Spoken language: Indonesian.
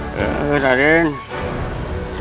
tidak ada yang menemukan